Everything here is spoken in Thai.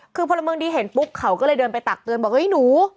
คือพลเมืองดีเห็นปุ๊บเขาก็เลยเดินไปตักเตือนบอกเฮ้ยหนู